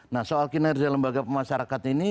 nah soal kinerja lembaga pemasyarakat ini